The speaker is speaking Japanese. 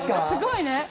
すごいね。